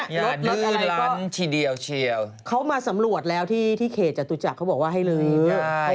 ลดอะไรก็เขามาสำรวจแล้วที่เขจัดตุจักรเขาบอกว่าให้ลืมได้เลย